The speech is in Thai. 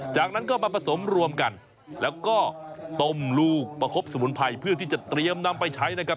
จากนั้นก็มาผสมรวมกันแล้วก็ต้มลูกประคบสมุนไพรเพื่อที่จะเตรียมนำไปใช้นะครับ